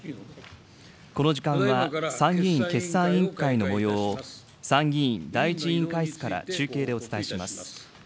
この時間は、参議院決算委員会のもようを参議院第１委員会室から中継でお伝えします。